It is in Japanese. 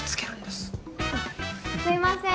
すいません